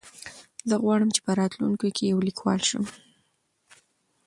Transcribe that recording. زه غواړم چې په راتلونکي کې یو لیکوال شم.